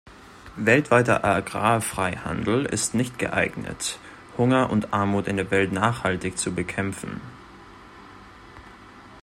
Weltweiter Agrarfreihandel ist nicht geeignet, Hunger und Armut in der Welt nachhaltig zu bekämpfen.